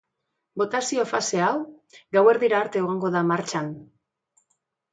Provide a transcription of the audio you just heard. Botazio fase hau gaur gauerdira arte egongo da martxan.